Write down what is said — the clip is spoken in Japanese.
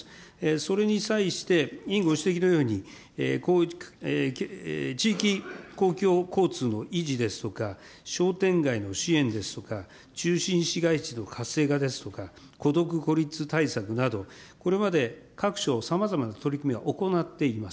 それに際して、ご指摘のように、地域公共交通の維持ですとか、商店街の支援ですとか、中心市街地の活性化ですとか、孤独、孤立対策など、これまで各省さまざまな取り組みは行っています。